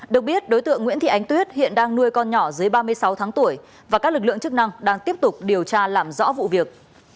được biết đối tượng nguyễn thị ánh tuyết hiện đang nuôi con nhỏ dưới ba mươi sáu tháng tuổi và các lực lượng chức năng đang tiếp tục điều tra làm rõ vụ việc